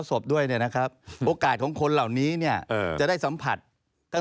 สมบัติด้วยนะครับโอกาสของคนเหล่านี้เนี่ยจะได้สัมผัสทั้ง